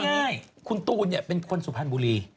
เอาง่ายของคุณตูนเนี่ยเป็นคนสุภัณฑ์บุรี